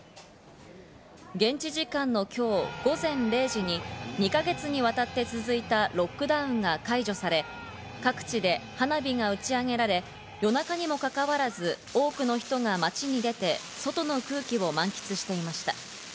現地時間の今日午前０時に２か月にわたって続いたロックダウンが解除され、各地で花火が打ち上げられ、夜中にもかかわらず、多くの人が街に出て外の空気を満喫していました。